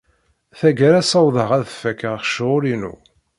Tagara ssawḍeɣ ad fakeɣ ccɣel-inu.